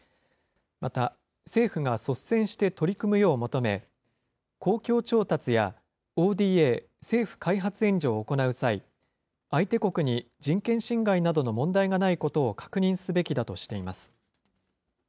また、政府が率先して取り組むよう求め、公共調達やＯＤＡ・政府開発援助を行う際、相手国に人権侵害などの問題がないことを確認すべきだとしています。